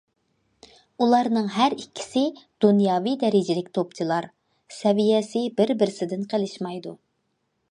ئۇلارنىڭ ھەر ئىككىسى دۇنياۋى دەرىجىلىك توپچىلار، سەۋىيەسى بىر بىرسىدىن قىلىشمايدۇ.